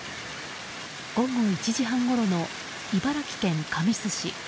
午後１時半ごろの茨城県神栖市。